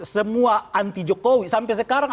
semua anti jokowi sampai sekarang